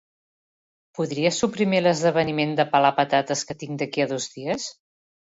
Podries suprimir l'esdeveniment de pelar patates que tinc d'aquí a dos dies?